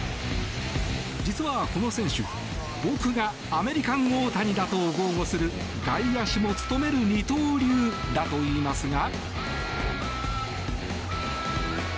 実は、この選手僕がアメリカン・オオタニだと豪語する外野手も務める二刀流だといいますが。